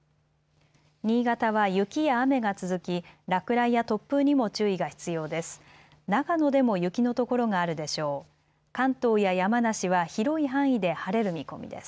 新潟は雪や雨が続き落雷や突風にも注意が必要です。